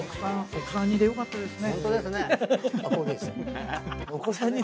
奥さん似でよかったですね。